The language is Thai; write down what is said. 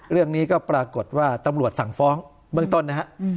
เรื่องนี้ก็ปรากฏว่าตำรวจสั่งฟ้องเบื้องต้นนะฮะ